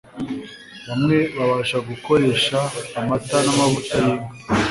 Bamwe babasha gukoresha amata namavuta yinka